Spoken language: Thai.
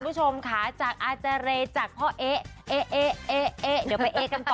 เนี่ยคุณผู้ชมคะจากอาจารย์จากพ่อเอ๊ะ